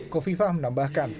coffee fah menambahkan